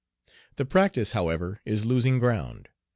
The practice, however, is losing ground.